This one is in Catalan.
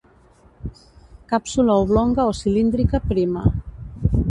Càpsula oblonga o cilíndrica prima.